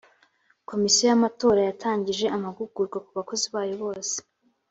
komisiyo y’ amatora yatangije amagugurwa kubakozi bayo bose